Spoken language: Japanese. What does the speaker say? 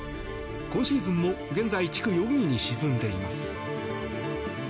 今シーズンも現在、地区４位に沈んでいます。